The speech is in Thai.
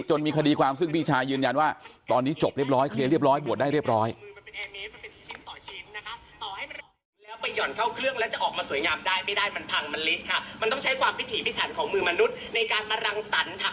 จนมีคดีความซึ่งพี่ชายยืนยันว่าตอนนี้จบเรียบร้อย